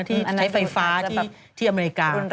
ที่ใช้ไฟฟ้าที่อเมริกา